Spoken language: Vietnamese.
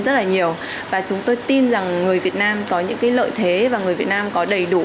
rất là nhiều và chúng tôi tin rằng người việt nam có những cái lợi thế và người việt nam có đầy đủ